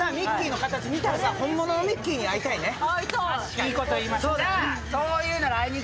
いいこと言います。